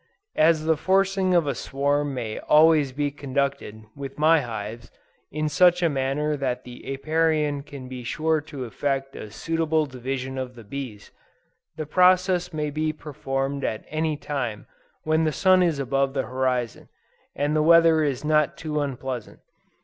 As the forcing of a swarm may always be conducted, with my hives, in such a manner that the Apiarian can be sure to effect a suitable division of the bees, the process may be performed at any time when the sun is above the horizon, and the weather is not too unpleasant.